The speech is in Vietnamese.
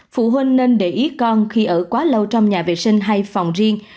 phụ huynh nên để ý con khi ở quá lâu trong nhà vệ sinh hay phòng riêng